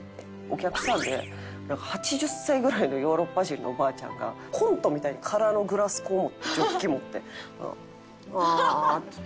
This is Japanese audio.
お客さんで８０歳ぐらいのヨーロッパ人のおばあちゃんがコントみたいに空のグラスジョッキ持って「ああ」って。